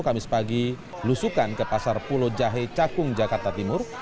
kamis pagi lusukan ke pasar pulau jahe cakung jakarta timur